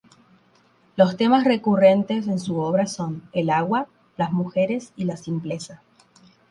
Los temas recurrentes en su obra son: el agua, las mujeres y la simpleza.